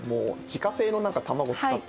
自家製の卵使っ